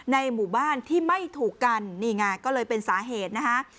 ในหมู่บ้านที่ไม่ถูกกันนี่ไงก็เลยเป็นสาเหตุนะคะ